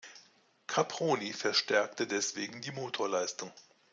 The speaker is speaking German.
Caproni verstärkte deswegen die Motorleistung.